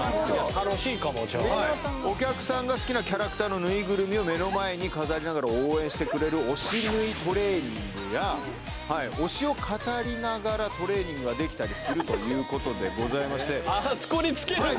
楽しいかもじゃあお客さんが好きなキャラクターのぬいぐるみを目の前に飾りながら応援してくれる推しを語りながらトレーニングができたりするということでございましてあそこに付けるんだ！